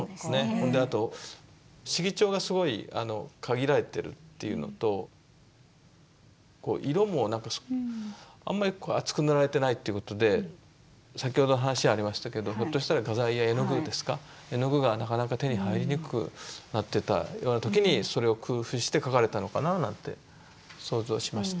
それであと色調がすごい限られてるっていうのと色もあんまり厚く塗られてないってことで先ほど話ありましたけどひょっとしたら画材や絵の具ですか絵の具がなかなか手に入りにくくなってたような時にそれを工夫して描かれたのかなぁなんて想像しました。